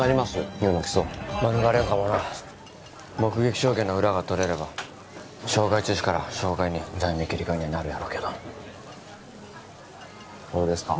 優の起訴免れんかもな目撃証言の裏が取れれば傷害致死から傷害に罪名切り替えにはなるやろうけどそうですか